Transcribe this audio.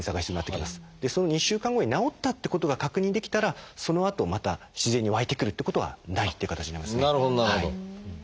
その２週間後に治ったってことが確認できたらそのあとまた自然に湧いてくるってことはないって形になりますね。